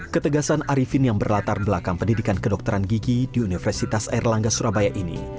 ketegasan arifin yang berlatar belakang pendidikan kedokteran gigi di universitas airlangga surabaya ini